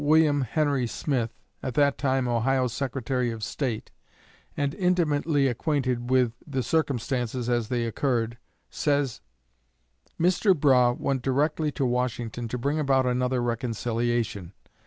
Wm. Henry Smith, at that time Ohio's Secretary of State, and intimately acquainted with the circumstances as they occurred, says: "Mr. Brough went directly to Washington to bring about another reconciliation.